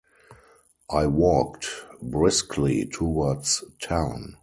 I walked briskly towards town.